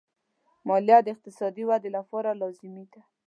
مالیه د اقتصادي ودې لپاره لازمي ده.